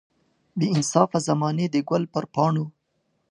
بې انصافه زمانې د ګل پر پاڼو.